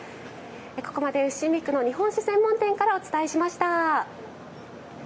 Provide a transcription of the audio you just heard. ここまで伏見区の日本酒専門店からお伝えしました。